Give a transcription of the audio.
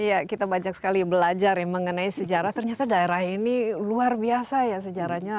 iya kita banyak sekali belajar ya mengenai sejarah ternyata daerah ini luar biasa ya sejarahnya